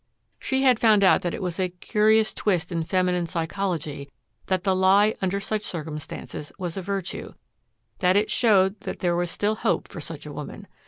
She had found out that it was a curious twist in feminine psychology that the lie under such circumstances was a virtue, that it showed that there was hope for such a woman.